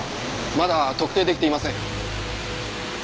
まだ特定出来ていません。